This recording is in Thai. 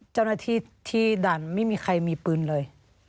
เจ้าหน้าที่ที่ดันไม่มีใครมีปืนเลย